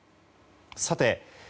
さて、